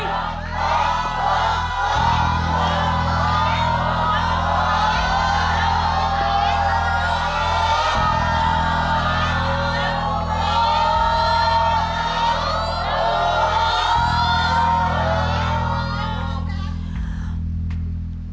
โฆษณ์โฆษณ์โฆษณ์